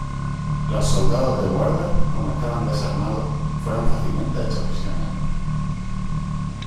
Los soldados de Guarda, como estaban desarmados, fueron fácilmente hechos prisioneros.